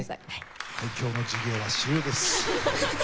今日の授業は終了です。